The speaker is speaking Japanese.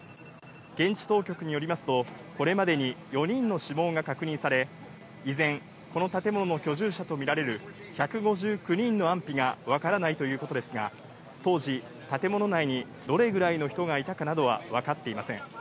現地当局によりますと、これまでに４人の死亡が確認され、依然、この建物の居住者と見られる１５９人の安否が分からないということですが、当時、建物内にどれぐらいの人がいたかなどは分かっていません。